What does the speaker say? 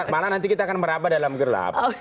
malah nanti kita akan merabah dalam gerlap